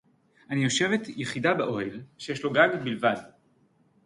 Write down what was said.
אֲנִי יוֹשֶׁבֶת יְחִידָה בְּאֹהֶל שַׁיִשׁ לוּ גַּג בִּלְבַד